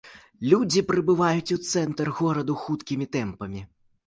Людзі прыбываюць у цэнтр гораду хуткімі тэмпамі.